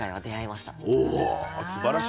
おすばらしい。